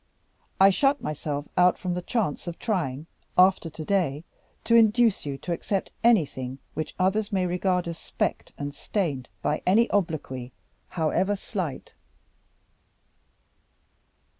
I shut myself out from the chance of trying, after to day, to induce you to accept anything which others may regard as specked and stained by any obloquy, however slight."